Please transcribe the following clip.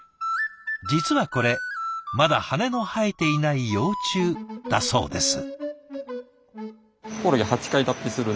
実はこれまだ羽の生えていない幼虫だそうです。